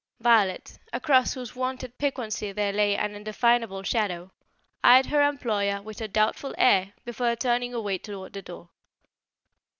Violet, across whose wonted piquancy there lay an indefinable shadow, eyed her employer with a doubtful air before turning away toward the door.